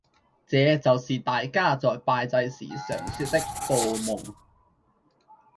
這就是大家在拜祭時常說旳報夢